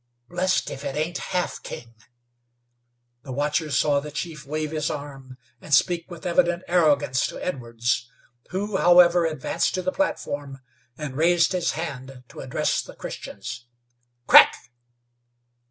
Blest if it ain't Half King!" The watchers saw the chief wave his arm and speak with evident arrogance to Edwards, who, however, advanced to the platform and raised his hand to address the Christians. "Crack!"